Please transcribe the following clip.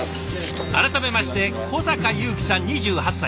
改めまして小坂裕輝さん２８歳。